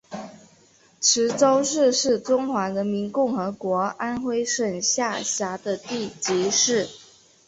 池州市是中华人民共和国安徽省下辖的地级市。